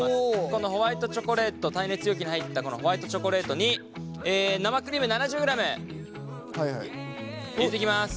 このホワイトチョコレート耐熱容器に入ったこのホワイトチョコレートに生クリーム７０ｇ入れていきます。